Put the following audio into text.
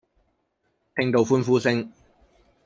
聽到歡呼聲